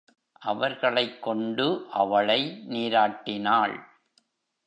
அவர்களைக் கொண்டு அவளை நீராட்டினாள்.